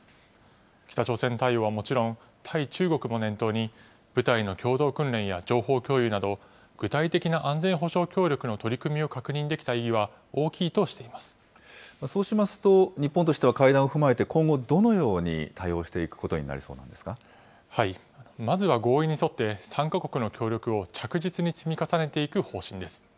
北朝鮮対応はもちろん、対中国も念頭に、部隊の共同訓練や情報共有など、具体的な安全保障協力の取り組みを確認できた意義は大きいとしてそうしますと、日本としては会談を踏まえて今後、どのように対応していくことになりそうなんまずは合意に沿って、３か国の協力を着実に積み重ねていく方針です。